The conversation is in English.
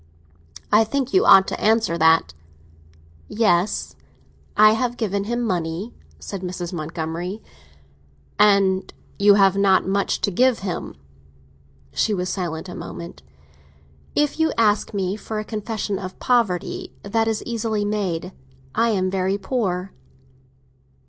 I think you ought to answer that." "Yes, I have given him money," said Mrs. Montgomery. "And you have not had much to give him?" She was silent a moment. "If you ask me for a confession of poverty, that is easily made. I am very poor."